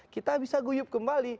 kita bisa guyup kembali